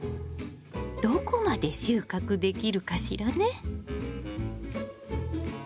どこまで収穫できるかしらね！